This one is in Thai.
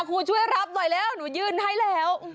ครูช่วยรับหน่อยแล้วหนูยื่นให้แล้ว